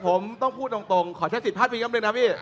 ผมต้องพูดตรงขอใช้สิทธิ์พาจพีดีกว่าเป็นไงพี่